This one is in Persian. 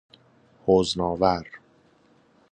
حزن آور